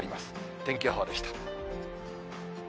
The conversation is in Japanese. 天気予報でした。